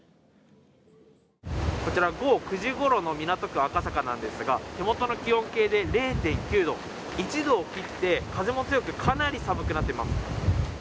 こちら、午後９時ごろの港区赤坂なんですが、手元の気温計で０．９度、１度を切って風も強く、かなり寒くなっています。